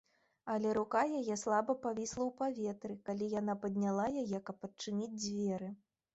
Але рука яе слаба павісла ў паветры, калі яна падняла яе, каб адчыніць дзверы.